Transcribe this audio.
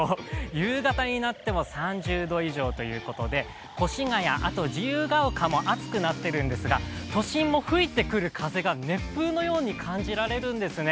夕方になっても３０度以上ということで、越谷、あと自由が丘も暑くなっているんですが都心も吹いてくる風が熱風のように感じられるんですね。